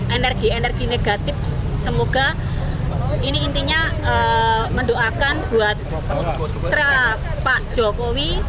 energi energi negatif semoga ini intinya mendoakan buat putra pak jokowi